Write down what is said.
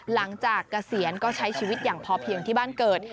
เกษียณก็ใช้ชีวิตอย่างพอเพียงที่บ้านเกิด